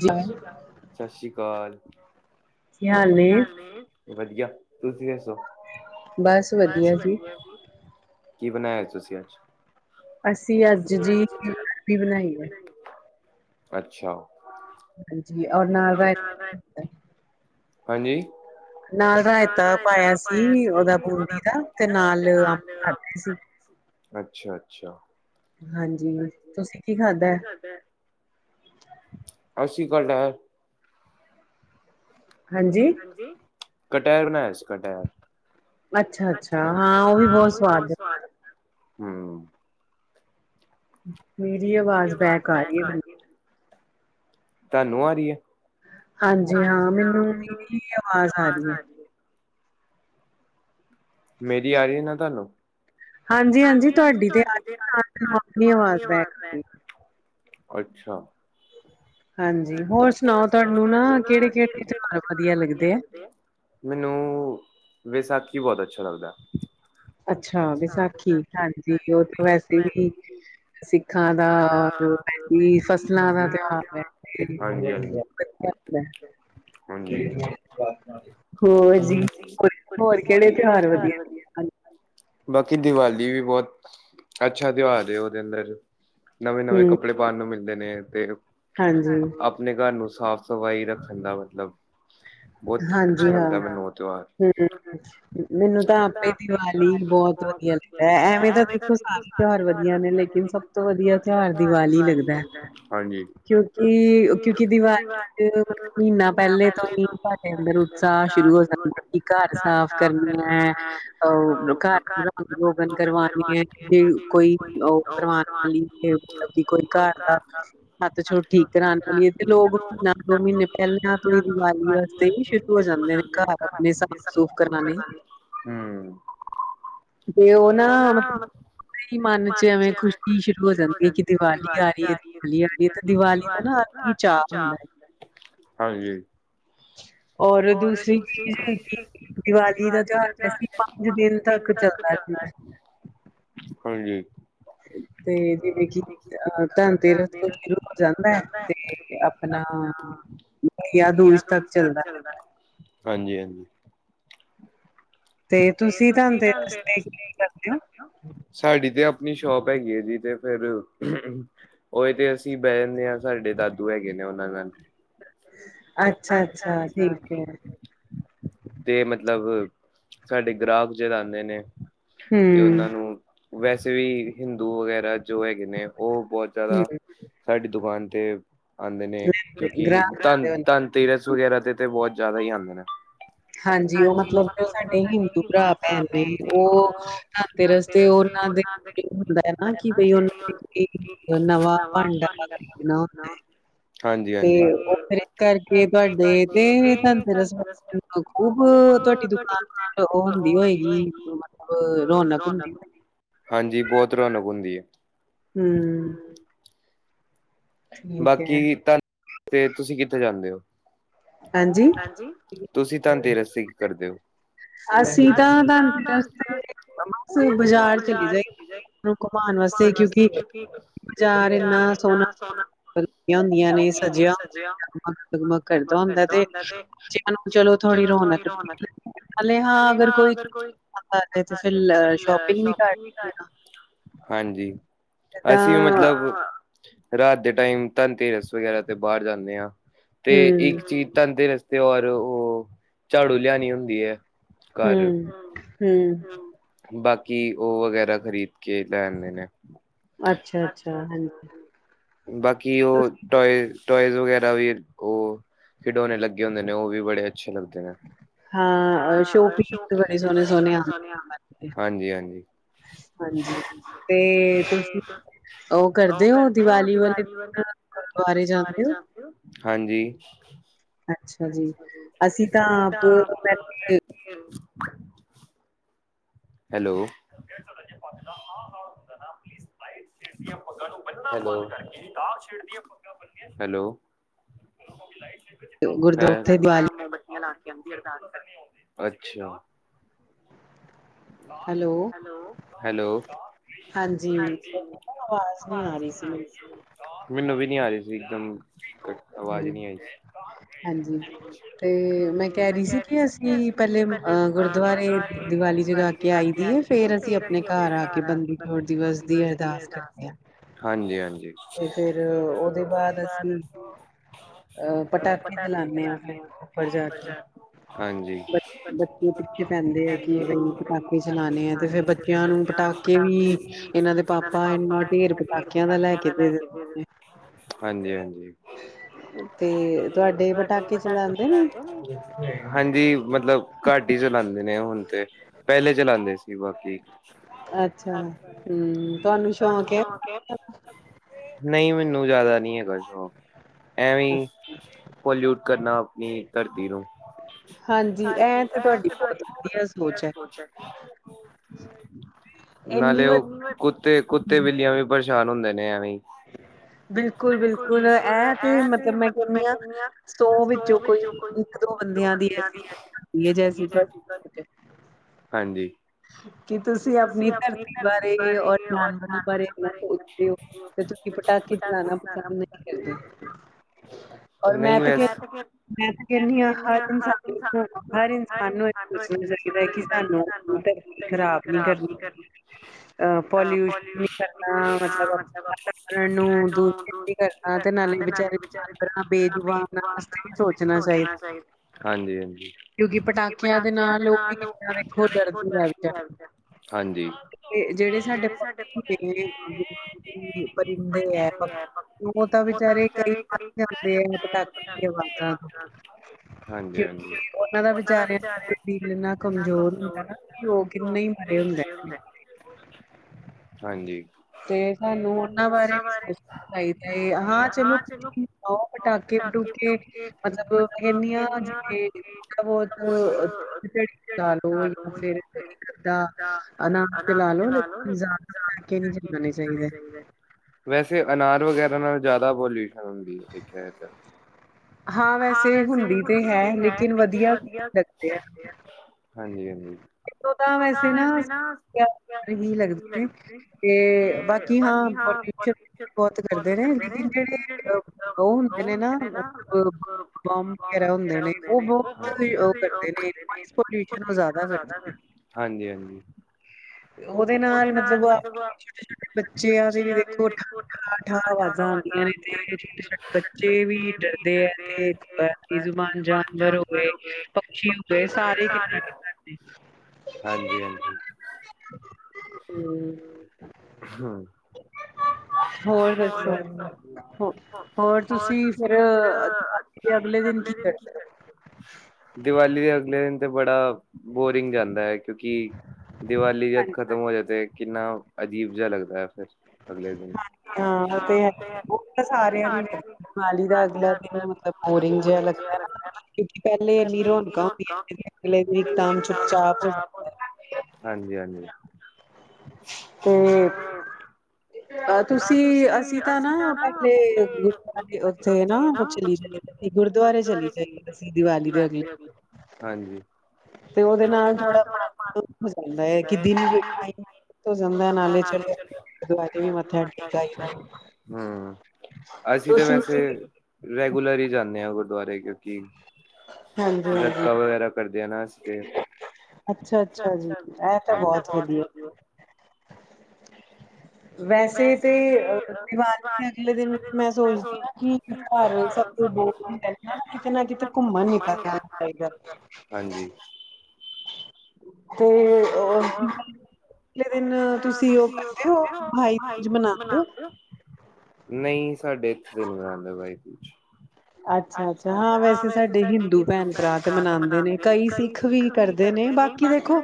ਸਤਿ ਸ਼੍ਰੀ ਅਕਾਲ ਕੀ ਹਾਲ ਨੇ ਵਧੀਆ ਤੁਸੀਂ ਦੱਸੋ ਬਸ ਵਧੀਆ ਜੀ ਕੀ ਬਣਾਇਆ ਤੁਸੀਂ ਅੱਜ ਅਸੀਂ ਅੱਜ ਜੀ ਵੀ ਬਣਾਈ ਹੈ ਅੱਛਾ ਹਾਂਜੀ ਔਰ ਨਾਲ ਰ ਹਾਂਜੀ ਨਾਲ ਰਾਇਤਾ ਪਾਇਆ ਸੀ ਉਹਦਾ ਬੂੰਦੀ ਦਾ ਤੇ ਨਾਲ ਅੰਬ ਖਾਧੇ ਸੀ ਅੱਛਾ ਅੱਛਾ ਹਾਂਜੀ ਤੁਸੀਂ ਕੀ ਖਾਧੈ [unintelligible] ਅਸੀਂ ਕਟਹਲ ਹਾਂਜੀ ਕਟੈਰ ਬਣਾਇਆ ਸੀ ਕਟੈਰ ਅੱਛਾ ਅੱਛਾ ਹਾਂ ਉਹ ਵੀ ਬਹੁਤ ਸਵਾਦ ਹੈ ਹਮ ਮੇਰੀ ਆਵਾਜ਼ ਬੈਕ ਆ ਰਹੀ ਮੈਨੂੰ ਤੁਹਾਨੂੰ ਆ ਰਹੀ ਹੈ ਹਾਂਜੀ ਹਾਂ ਮੈਨੂੰ ਮੇਰੀ ਆਵਾਜ਼ ਆ ਰਹੀ ਏ ਮੇਰੀ ਆ ਰਹੀ ਹੈ ਨਾ ਤੁਹਾਨੂੰ ਹਾਂਜੀ ਹਾਂਜੀ ਤੁਹਾਡੀ ਤੇ ਆ ਰਹੀ ਏ ਨਾਲ ਮੈਨੂੰ ਆਪਣੀ ਆਵਾਜ਼ ਬੈਕ ਆ ਰਹੀ ਅੱਛਾ ਹਾਂਜੀ ਹੋਰ ਸੁਣਾਓ ਤੁਹਾਨੂੰ ਨਾ ਕਿਹੜੇ ਕਿਹੜੇ ਤਿਉਹਾਰ ਵਧੀਆ ਲੱਗਦੇ ਐ ਮੈਨੂੰ ਵੇਸਾਖੀ ਬਹੁਤ ਅੱਛਾ ਲੱਗਦੈ ਅੱਛਾ ਵਿਸਾਖੀ ਹਾਂਜੀ ਓਹ ਤੋ ਵੈਸੇ ਵੀ ਸਿੱਖਾਂ ਦਾ ਬਾ ਫਸਲਾਂ ਦਾ ਤਿਉਹਾਰ ਹੈ [unintelligible] ਹੋਰ ਜੀ ਹੋਰ ਕਿਹੜੇ ਤਿਉਹਾਰ ਵਧੀਆ ਬਾਕੀ ਦੀਵਾਲੀ ਵੀ ਬਹੁਤ ਅੱਛਾ ਤਿਉਹਾਰ ਉਹਦੇ ਅੰਦਰ ਨਵੇਂ ਨਵੇਂ ਕੱਪੜੇ ਪਾਣ ਨੂੰ ਮਿਲਦੇ ਨੇ ਤੇ ਹਾਂਜੀ ਆਪਣੇ ਘਰ ਨੂੰ ਸਾਫ਼ ਸਫ਼ਾਈ ਰੱਖਣ ਦਾ ਮਤਲਬ ਹਾਂਜੀ ਹਾਂ ਹਮ ਮੈਨੂੰ ਤਾਂ ਆਪੇ ਦੀਵਾਲੀ ਬਹੁਤ ਵਧੀਆ ਲੱ ਐਵੇਂ ਤਾਂ ਦੇਖੋ ਸਾਰੇ ਤਿਉਹਾਰ ਵਧੀਆ ਨੇ ਲੇਕਿਨ ਸਭ ਤੋਂ ਵਧੀਆ ਤਿਉਹਾਰ ਦੀਵਾਲੀ ਲੱਗਦੈ ਹਾਂਜੀ ਕਿਉਂਕਿ ਕਿਉਂਕਿ ਦੀਵਾਲ ਮਹੀਨਾ ਪਹਿਲੇ ਤੋਂ ਵੀ ਅੰਦਰ ਉਤਸ਼ਾਹ ਸ਼ੁਰੂ ਹੋ ਜਾਂਦੇ ਕਿ ਘਰ ਸਾਫ਼ ਕਰਨੈ ਉਹ ਘਰ ਪੂਰਾ ਰੋਗਨ ਕਰਵਾਣਗੇ ਹੈ ਫਿਰ ਕੋਈ ਉਹ ਕਰਵਾਉਣ ਲਈ ਫਤਲਬ ਕੋਈ ਘਰ ਦਾ ਹੱਥ ਛੋ ਠੀਕ ਕਰਾਉਣ ਪ ਲਈਏ ਤੇ ਲੋਕ ਮਹੀਨਾ ਦੋ ਮਹੀਨੇ ਪਹਿਲਿਆਂ ਤੋਂ ਹੀ ਦੀਵਾਲੀ ਆ ਤੇ ਸ਼ੁਰੂ ਹੋ ਜਾਂਦੇ ਨੇ ਘਰ ਆਪਣੇ ਸਾਫ਼ ਸੁੂਫ਼ ਕਰਵਾਣੇ ਤੇ ਉਹ ਨਾ ਮਤ ਹੀ ਮਨ 'ਚ ਐਵੇਂ ਖੁਸ਼ੀ ਸ਼ੁਰੂ ਹੋ ਜਾਂਦੀ ਏ ਕਿ ਦੀਵਾਲੀ ਆ ਰਹੀ ਏ ਦੀਵਾਲੀ ਆ ਰਹੀ ਏ ਤੇ ਦੀਵਾਲੀ ਉਹਨਾਂ ਅੱਜ ਵੀ ਚਾਅ ਹੁੰਦਾ। ਹਾਂਜੀ ਔਰ ਦੂਸਰੀ ਚੀਜ਼ ਕਿ ਦੀਵਾਲੀ ਦਾ ਤਿਉਹਾਰ ਵੈਸੇ ਪੰਜ ਦਿਨ ਤੱਕ ਚੱਲਦੈ [inaudible] ਹਾਂਜੀ ਤੇ ਜਿਵੇਂ ਕਿ ਅਹ ਧਨ ਤੇਰਸ ਸ਼ੁਰੂ ਹੋ ਜਾਂਦਾ। ਮੈਂ ਆਪਣਾ ਬਈਆ ਦੂਜ ਤੱਕ ਚੱਲਦਾ। ਹਾਂਜੀ -ਹਾਂਜੀ ਤੇ ਤੁਸੀਂ ਧਨਤੇਰਸ ਕੀ ਕੀ ਕਰਦੇ ਹੋ। ਸਾਡੀ ਤੇ ਆਪਣੀ ਸ਼ੋਪ ਹੈਗੀ ਹੈ ਜੀ ਤੇ ਫਿਰ [unintelligible] ਇਹ ਤੇ ਅਸੀਂ ਬਹਿ ਜਾਂਦੇ ਹਾਂ ਸਾਡੇ ਦਾਦੂ ਹੈਗੇ ਨੇ ਉਹਨਾਂ ਨਾਲ ਅੱਛਾ -ਅੱਛਾ ਠੀਕ ਹੈ। ਤੇ ਮਤਲਬ ਸਾਡੇ ਗ੍ਰਾਹਕ ਚੁਰਾਉਂਦੇ ਨੇ ਉਹਨਾਂ ਨੂੰ ਵੈਸੇ ਵੀ ਹਿੰਦੂ ਵਗੈਰਾ ਜੋ ਹੈਗੇ ਨੇ ਉਹ ਬਹੁਤ ਜ਼ਿਆਦਾ ਸਾਡੀ ਦੁਕਾਨ ਤੇ ਆਉਂਦੇ ਨੇ ਕਿਉਂਕਿ ਧਨ ਧਨ ਧਿਰਸ ਵਗੈਰਾ ਤੇ -ਤੇ ਬਹੁਤ ਜ਼ਿਆਦਾ ਹੀ ਆਉਂਦੇ ਨੇ। ਹਾਂਜੀ ਉਹ ਮਤਲਬ ਜੋ ਸਾਡੇ ਹਿੰਦੂ ਭਰਾ ਭੈਣ ਨੇ ਉਹ ਧਨਤੇਰਸ ਤੇ ਉਹਨਾਂ ਦੇ ਹੁੰਦਾ ਹੈ ਨਾ ਕਿ ਬਈ ਉਹਨਾਂ ਨਵਾਂ ਭਾਂਡਾ ਦੇਣਾ ਹੁੰਦਾ। ਤੇ ਉਸ ਕਰਕੇ ਤੁਹਾਡੇ ਤੇ ਧਨਤੇਰਸ [inaudible] ਖੂਬ ਤੁਹਾਡੀ ਦੁਕਾਨ ਉਹ ਹੁੰਦੀ ਹੋਏਗੀ ਮਤਲਬ ਰੌਨਕ ਹੁੰਦੀ ਏ। ਹਾਂਜੀ ਬਹੁਤ ਰੌਣਕ ਹੁੰਦੀ ਏ। ਹੂੰ ਬਾਕੀ ਧੰਨ ਤੇ ਤੁਸੀਂ ਕਿੱਥੇ ਜਾਂਦੇ ਹੋ। ਹਾਂਜੀ ਹਾਂਜੀ ਤੁਸੀਂ ਤਨਤੇਰਸ ਤੇ ਕੀ ਕਰਦੇ ਹੋ। ਅਸੀਂ ਤਾਂ ਤਨਤੇਰਸ ਤੇ ਬ ਬਾਜ਼ਾਰ ਚਲੀ ਜਾਈਦਾ। ਨੂੰ ਘੁਮਾਣ ਵਾਸਤੇ ਕਿਉਂਕਿ ਬਾਜ਼ਾਰ ਇੰਨਾ ਸੋਹਣਾ ਲਗ ਹੁੰਦੀਆਂ ਨੇ ਸਜਿਆ ਹੁੰਦਾ। ਜੱਗ ਮੱਗ ਕਰਦਾ ਹੁੰਦਾ ਤੇ ਚਲੋ ਥੋੜੀ ਰੌਣਕ ਹਲੇੇ ਹਾਂ ਅਗਰ ਕੋਈ ਕਰ ਤੇ ਫਿਰ ਸ਼ੋਪਿੰਗ ਵੀ ਕਰਦੇ ਆਂ। ਹਾਂਜੀ ਅਸੀਂ ਮਤਲਬ ਰਾਤ ਦੇ ਟਾਈਮ ਧਨਤੇਰਸ ਵਗੈਰਾ ਤੇ ਬਾਹਰ ਜਾਂਦੇ ਹਾਂ ਤੇ ਇੱਕ ਚੀਜ਼ ਤਨਤੇਰਸ ਤੇ ਔਰ ਉਹ ਝਾੜੂ ਲਿਆਣੀ ਹੁੰਦੀ ਹੈ। ਘਰ ਬਾਕੀ ਉਹ ਵਗੈਰਾ ਖਰੀਦ ਕੀ ਪੈਣਦੇ ਨੇ ਅੱਛਾ -ਅੱਛਾ ਬਾਕੀ ਉਹ ਟੋਏ ਟੋਇਜ਼ ਵਗੈਰਾ ਵੀ ਉਹ ਖਿਡੌਣੇ ਲੱਗੇ ਹੁੰਦੇ ਨੇ ਉਹ ਵੀ ਬੜੇ ਅੱਛੇ ਲੱਗਦੇ ਨੇ। ਹਾਂ ਸੋ ਪੀਸ ਸੋਹਣੀਆ- ਸੋਹਣੀਆ ਹਾਂਜੀ- ਹਾਂਜੀ ਹਾਂਜੀ ਤੇ ਤੁਸੀਂ ਉਹ ਕਰਦੇ ਹੋ ਦੀਵਾਲੀ ਵਾਲੇ ਗੁਰਦੁਆਰੇ ਜਾਂਦੇ ਹੋ। ਹਾਂਜੀ ਅੱਛਾ ਜੀ ਅਸੀਂ ਤਾਂ ਆਪ ਹੂੰ ਹੈਲੋ [unintelligible] ਹੈਲੋ [unintelligible] ਹੈਲੋ [unintelligible] [unintelligible] ਅੱਛਾ ਹੈਲੋ ਹੈਲੋ ਹਾਂਜੀ ਆਵਾਜ਼ ਨਹੀਂ ਆ ਰਹੀ ਸੀ ਮੈਨੂੰ ਮੈਨੂੰ ਵੀ ਨਹੀਂ ਆ ਰਹੀ ਸੀ ਇੱਕਦਮ ਘੱ ਆਵਾਜ਼ ਨਹੀਂ ਆਈ ਸੀ ਹਾਂਜੀ ਤੇ, ਮੈਂ ਕਹਿ ਰਹੀ ਸੀ ਕਿ ਅਸੀਂ ਪਹਿਲੇ ਅਹ ਗੁਰਦੁਆਰੇ ਦੀਵਾਲੀ ਜਗਾ ਕੇ ਆਈ ਦੀ ਏ, ਫੇਰ ਅਸੀਂ ਆਪਣੇ ਘਰ ਆ ਕੇ, ਬੰਦੀ ਜੋੜ ਦਿਵਸ ਦੀ ਅਰਦਾਸ ਕਰਦੇ ਆਂ। ਹਾਂਜੀ ਹਾਂਜੀ, ਫੇਰ ਔ ਦੇ ਬਾਦ ਪਟਾਕੇੇ ਜਲਾਦੇ ਆ, ਹਾਂਜੀ ਉਹ ਪਿੱਛੇ ਪੈਂਦੇ ਹੈ, ਕੀ ਈ ਕੇ ਚਲਾਉਾਨਣੇ ਐ, ਤੇ ਫੇਰ ਬੱਚਿਆਂ ਨੂੰ ਪਟਾਕੇ ਵੀ ਇਹਨਾਂ ਦੇ ਪਾਪਾ, ਇੰਨਾ ਢੇਰ ਪਟਾਕਿਆਂ ਦਾ ਲੈ ਕੇ ਹਾਂਜੀ ਹਾਂਜੀ ਹਾਂਜੀ ਮਤਲਬ ਘੱਟ ਹੀ ਚਲਾਉਂਦੇ ਨੇ ਹੁਣ ਤੇ, ਪਹਿਲੇ ਚਲਾਉਂਦੇ ਸੀ ਕਿ ਵਾਕੇਈ, ਤੁਹਾਨੂੰ ਸ਼ੋਕ ਐ। ਨਹੀਂ ਮੈਨੂੰ ਜ਼ਿਆਦਾ ਨਹੀਂ ਹੈਗਾ ਸ਼ੋਂਕ। ਐਵੇਂ ਈ, ਪੋਲਿਊਟ ਕਰਨਾ ਆਪਣੀ ਧਰਤੀ ਨੂੰ, ਹਾਂਜੀ, ਐ ਤੇ ਤੁਹਾਡੀ ਸੋਚ ਹੈ। ਨਾਲੇ ਉਹ ਕੁੱਤੇ, ਕੁੱਤੇ ਬਿੱਲਿਆਂ ਵੀ ਪਰੇਸ਼ਾਨ ਹੁੰਦੇ ਨੇ ਐਵੇਂ, ਬਟ ਬਿਲਕੁਲ ਬਿਲਕੁਲ, ਇਹ ਤੇ ਮਤਲਬ ਮੈਂ ਕਹਿੰਦੀ ਆਂ, ਸੋ ਵਿੱਚੋਂ ਕੋਈ ਦੋ ਬੰਦਿਆਂ ਦੀ ਹੈ। ਯੇ ਜੈਸੀ ਹਾਂਜੀ ਕੀ ਤੁਸੀਂ ਆਪਣੀ ਧਰਤੀ ਬਾਰੇ, ਔਰ ਜਾਨਵਰਾਂ ਬਾਰੇ, ਇਨਾ ਸੋਚਦੇ ਹੋ। ਤੇ ਤੁਂ ਪਟਾਕੇ ਚਲਾਣਾ ਪਸੰਦ ਨਹੀਂ ਕਰਦੇ। ਨਹੀਂ ਵੈਸੇ ਮੈਂ ਤਤੇ ਕਹਿੰਨੀ ਆਂ, ਹਰ ਇਨਸਾਨ ਹਰ ਇਨਸਾਨ ਨੂੰ ਇਹ ਪੁੱਛਣਾ ਚਾਹੀਦਾ ਹੈ, ਕਿ ਸਾਨੂੰ ਧਰਤੀ ਖ਼ਰਾਬ ਨਹੀਂ ਕਰਨੀ ਅ ਪੋਲਿਊਸ਼ਨ ਨੀ ਕਰਨਾ, ਮਤਲਬ ਨੂੰ ਦੂਰ ਨੀ ਕਰਨਾ, ਤੇ ਨਾਲੇ ਵਿਚਾਰੇ ਜਾਨਵਰਾਂ ਬੇਜੁਬਾਨ ਸੋਚਣਾ ਚਾਹੀ ਐ, ਹਾਂਜੀ ਹਾਂਜੀ। ਕਿਉਂਕਿ ਪਟਾਕਿਆਂ ਦੇ ਨਾਲ, ਉਹ ਇੰਨਾ ਦੇ ਹੋਰ ਡਰਦੀ ਜਾਂਦੀ ਹੈ। ਤੇ ਜਿਹੜੇ ਸਾਡੇ ਕੀ ਪਰਿੰਦੇ ਹੈ। ਉਹ ਤਾਂ ਵਿਚਾਰੇ ਕਈ ਜਾਂਦੇ ਆ, ਪਟਾਕੇਆਂ ਦੀ ਆਵਾਜ਼ਾਂ ਨੂ ਹਾਂਜੀ ਹਾਂਜੀ, ਔਨਾ ਦਾ ਵਿਚਾਰਿਆ ਇੰਨਾ ਕਮਜ਼ੋਰ ਹੁੰਦਾ ਨਾ, ਕਿ ਉਹ ਕਿੰਨੇ ਹੀ ਮਰੇ ਹੁੰਦੇ ਹਾਂਜੀ ਤੇ ਸਾਨੂੰ ਉਹਨਾਂ ਬਾਰੇ ਸੋਚਣਾ ਚਾਹੀਦਾ ਐ, ਹਾਂ ਚਲੋ ਆ ਪਟਾਕੇ ਪਟੂਕੇ, ਮਤਲਬ ਐਨੀਆਂ, ਜਿਵੇ ਥੋੜਾ ਬਹੁਤ ਲਓ ਫਿਰ ਇੱਕ ਦਰੀ ਡਾ ਲੋ, ਫੇਰ ਇਕ ਗੱਦਾ ਅਨਾਰ ਜਲਾ ਲੋ, ਨਹੀ ਤੇ ਪਟਾਕੇ ਨਹੀ ਜਲਦੇ। ਵੈਸੇ, ਅਨਾਰ ਵਗੈਰਾ ਨਾਲ ਜ਼ਿਆਦਾ ਬੋਲੀ ਹੁੰਦੀ ਹੈ, ਦੇਖਿਆ ਜਾਏ ਤਾਂ ਹਾਂ ਵੈਸੇ ਹੁੰਦੀ ਤੇ ਹੈ, ਲੇਕਿਨ ਵਧੀਆ ਹਾਂਜੀ ਹਾਂਜੀ ਇਥੋਂ ਤਾਂ ਵੈਸੇ ਨਾ ਗਰਮੀ ਹੀ ਲੱਗਦੇ ਨੇ, ਤੇ ਬਾਕੀ ਹਾਂ ਬਹੁਤ ਕਰਦੇ ਨੇ, ਲੇਕਿਨ ਜਿਹੜੇ ਉਹ ਹੁੰਦੇ ਨੇ ਨਾ ਬੰਬ ਵਗੈਰਾ ਹੁੰਦੇ ਨੇ, ਉਹ ਬਹੁਤ ਉਹ ਕਰਦੇ ਨੇ, ਨੋਇਸ ਪੋਲਿਊਸ਼ਨ ਉਹ ਜ਼ਿਆਦਾ ਕਰਦੇ ਨੇ। ਹਾਂਜੀ ਹਾਂਜੀ ਉਹਦੇ ਨਾਲ, ਮਤਲਬ ਆਪ ਛੋਟੇ ਛੋਟੇ ਬੱਚਿਆਂ ਤੇ ਵੀ ਦੇਖੋ, ਠਾਂ ਠਾਹ ਆਵਾਜ਼ਾਂ ਆਉਂਦੀਆਂ ਨੇ, ਤੇ ਛੋਟੇ ਛੋਟੇ ਬੱਚੇ ਵੀ ਡਰਦੇ ਹੈ, ਤੇ ਬੇਜ਼ੁਬਾਨ ਜਾਨਵਰ ਹੋਵੇ, ਪੱਖੀ ਗਏ ਸਾਰੇ ਖੇਡਣ ਹਾਂਜੀ ਹਾਂਜੀ ਹ ਹੋਰ ਦੱਸੋ ਹੋ ਹੋਰ ਤੁਸੀਂ ਫਿਰ ਅਗਲੇ ਦਿਨ ਕੀ ਕਰਦੇ ਦੀਵਾਲੀ ਦੇ ਅਗਲੇ ਦਿਨ ਤੇ ਬੜਾ ਬੋਰਿੰਗ ਜਾਂਦਾ ਹੈ ਕਿਉਕਿ ਦੀਵਾਲੀ ਜ ਖਤਮ ਹੋ ਜਾ ਤੇ ਕਿੰਨਾ ਅਜੀਬ ਜਿਹਾ ਲੱਗਦਾ ਹੈ ਫਿਰ ਹਾਂ ਹਾਂ ਉਹ ਤੇ ਹੈ ਉਹ ਤਾਂ ਸਾਰਿਆਂ ਨੂੰ ਲ ਹਾਲੀ ਦਾ ਅਗਲਾ ਦਿਨ ਬੋਰਿੰਗ ਜਿਹਾ ਲੱਗਦਾ ਕਿਉਂਕਿ ਪਹਿਲੇ ਇੰਨੀ ਰੌਣਕਾਂ ਹੁੰਦੀਆਂ ਅਗਲੇ ਇਕਦਮ ਚੁੱਪ ਚਾਪ ਹੋ ਜਾਂਦੀ ਹਾਂਜੀ ਹਾਂਜੀ ਹਮ ਤੁਸੀਂ ਅਸੀਂ ਤਾਂ ਨਾ ਪਹਿਲੇ ਗੁਰਦੁਆਰੇ ਉੱਥੇ ਨਾ ਚਲੀ ਗੁਰਦੁਆਰੇ ਚਲੀ ਜਾਈ ਅਸੀਂ ਦੀਵਾਲੀ ਦੇ ਅਗਲੇ ਹਾਂਜੀ ਤੇ ਉਹਦੇ ਨਾਲ ਥੋੜਾ ਮਨ ਹੋ ਜਾਂਦਾ ਹੈ ਕਿ ਦਿਨ ਮੈਂ ਵੀ ਨਾਲ ਹੀ ਚਲੇ ਜਾਨੀ ਆਂ ਮੱਥਾ ਟੇਕ ਆ ਅਸੀਂ ਤਾਂ ਵੈਸੇ ਰੈਗੂਲਰ ਹੀ ਜਾਂਦੇ ਹਾਂ ਗੁਰਦੁਆਰੇ ਕਿਉਂਕਿ ਗਤਕਾ ਵਗੈਰਾ ਕਰਦੇ ਆ ਨਾਤੇ ਅੱਛਾ ਅੱਛਾ ਜੀ ਇਹ ਤਾਂ ਬਹੁਤ ਵਧੀਆ ਅ ਵੈਸੇ ਤੇ ਅ ਦੀਵਾਲੀ ਦੇ ਅਗਲੇ ਦਿਨ ਮੈਂ ਸੋਚਦੀ ਹਾਂ ਕਿ ਘਰ ਸਭ ਕੁਛ ਦੋ ਹਦਾ ਸੀ ਕਿਤੇ ਨਾ ਕਿਤੇ ਘੁੰਮਣ ਨੀ ਤਾਂ ਜਾਣਾ ਚਾਹੀਦਾ ਤੇ ਕੀ ਅਗਲੇ ਦਿਨ ਤੁਸੀਂ ਉਹ ਕਰਦੇ ਹੋ ਬਾਈ ਦੂਜ ਮਨਾਉਂਦੇ ਹੋ ਨਹੀਂ ਸਾਡੇ ਇੱਥੇ ਤੇ ਨੀ ਬਣਾਉਦੇ ਬਾਈ ਅੱਛਾ ਅੱਛਾ ਹਾਂ ਵੈਸੇ ਸਾਡੇ ਹਿੰਦੂ ਭੈਣ ਭਰਾ ਤੇ ਮਨਾਉਂਦੇ ਨੇ ਕਈ ਸਿੱਖ ਵੀ ਕਰਦੇ ਨੇ ਬਾਕੀ ਦੇ ਦੇਖੋ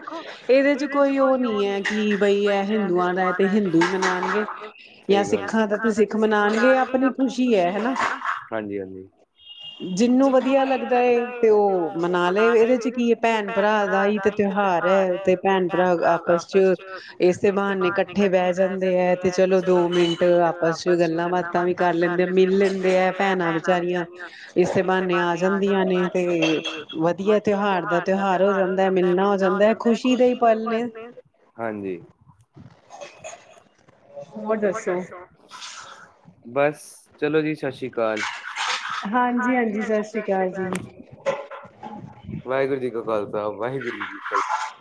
ਇਹਦੇ ਚ ਕੋਈ ਉਹ ਨੀ ਹੈ ਕਿ ਬਈ ਇਹ ਹਿੰਦੂਆਂ ਦਾ ਤੇ ਹਿੰਦੂ ਹੀ ਮਨਾਉਣਗੇ ਜਾਂ ਸਿੱਖਾਂ ਦਾ ਤੇ ਸਿੱਖ ਮਨਾਉਣਗੇ ਆਪਣੀ ਖੁਸ਼ੀ ਹੈ ਹਨਾ ਹਾਂਜੀ ਹਾਂਜੀ ਜਿਹਨੂੰ ਵਧੀਆ ਲੱਗਦਾ ਤੇ ਉਹ ਮਨਾ ਲਏ ਇਹਦੇ ਚ ਕੀ ਹੈ ਭੈਣ ਭਰਾ ਦਾ ਹੀ ਤੇ ਤਿਉਹਾਰ ਹੈ ਤੇ ਭੈਣ ਭਰਾ ਆਪਸ ਚ ਇਸਏੇ ਬਹਾਨੇ ਇਕੱਠੇ ਬਹਿ ਜਾਂਦੇ ਹੈ ਤੇ ਚਲੋ ਦੋ ਮਿੰਟ ਆਪਸ ਚ ਗੱਲਾਂ ਬਾਤਾਂ ਵੀ ਕਰ ਲੈਂਦੇ ਆ ਮਿਲ ਲੈਂਦੇ ਹੈ ਭੈਣਾਂ ਵਿਚਾਰੀਆਂ ਇਸ ਬਹਾਨੇ ਆ ਜਾਂਦੀਆਂ ਨੇ ਤੇ ਵਧੀਆ ਤਿਉਹਾਰ ਦਾ ਤਿਉਹਾਰ ਹੋ ਜਾਂਦਾ ਹੈ ਮਿਲਣਾ ਹੋ ਜਾਂਦਾ ਖੁਸ਼ੀ ਦੇ ਫ ਹਜੀ ਹੋਰ ਦੱਸੋ ਬਸ ਚਲੋ ਜੀ ਸਤਿ ਸ਼੍ਰੀ ਅਕਾਲ ਹਾਂਜੀ ਹਾਂਜੀ ਸਤਿ ਸ਼੍ਰੀ ਅਕਾਲ ਜੀ ਵਾਹਿਗੁਰੂ ਜੀ ਕਾ ਖਾਲਸਾ ਵਾਹਿਗੁਰੂ ਜੀ